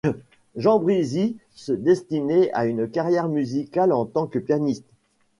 Jean Brisy se destinait à une carrière musicale en tant que pianiste.